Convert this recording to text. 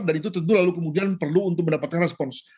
dan itu tentu lalu kemudian perlu untuk mendapatkan respons